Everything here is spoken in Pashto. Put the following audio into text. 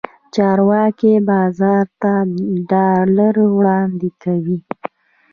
چارواکي بازار ته ډالر وړاندې کوي.